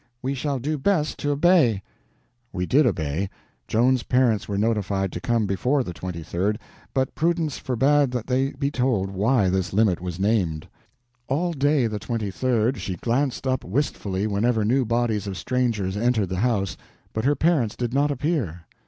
We shall do best to obey." We did obey. Joan's parents were notified to come before the 23d, but prudence forbade that they be told why this limit was named. All day, the 23d, she glanced up wistfully whenever new bodies of strangers entered the house, but her parents did not appear.